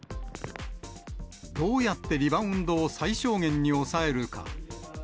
どうやってリバウンドを最小限に抑えるか。